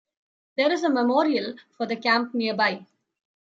There is a memorial for the camp nearby.